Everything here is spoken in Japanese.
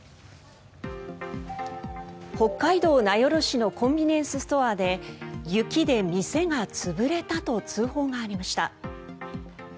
北海道名寄市のコンビニエンスストアで雪で店が潰れたと通報がありました。